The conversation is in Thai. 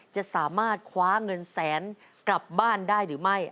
จะสามารถคว้าเงินแสนกลับบ้านได้หรือไม่